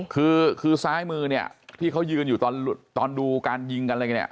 คือคือซ้ายมือเนี่ยที่เขายืนอยู่ตอนดูการยิงกันอะไรกันเนี่ย